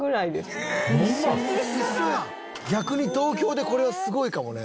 逆に東京でこれはすごいかもね。